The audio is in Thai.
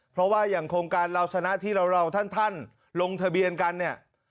เพราะว่าอย่างโครงการเราชนะที่เราท่านลงทะเบียนกันเนี่ย